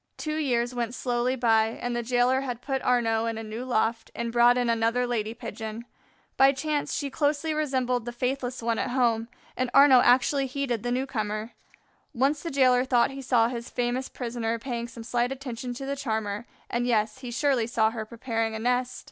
Two years went slowly by, and the jailer had put Arnaux in a new loft and brought in another lady Pigeon. By chance she closely resembled the faithless one at home. Arnaux actually heeded the newcomer. Once the jailer thought he saw his famous prisoner paying some slight attention to the charmer, and, yes, he surely saw her preparing a nest.